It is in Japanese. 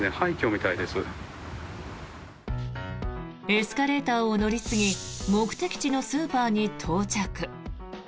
エスカレーターを乗り継ぎ目的地のスーパーに到着。